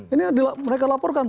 ini mereka laporkan